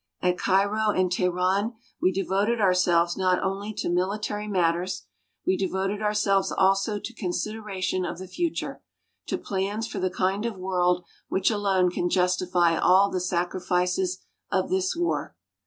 At Cairo and Teheran we devoted ourselves not only to military matters; we devoted ourselves also to consideration of the future to plans for the kind of world which alone can justify all the sacrifices of this war.